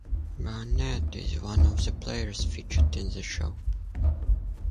Burnett is one of the players featured in the show.